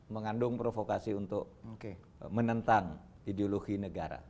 mengandung provokasi untuk menentang ideologi negara